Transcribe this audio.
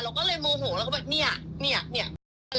แล้วทีนี้เขาด่าเรามาเราก็เลยโมโหเราก็แบบเนี่ยเนี่ยเนี่ย